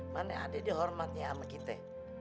mana adek dihormatnya sama kita